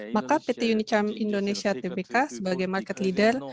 maka pt unicam indonesia tbk sebagai market leader